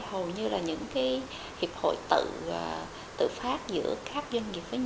hầu như là những hiệp hội tự phát giữa các doanh nghiệp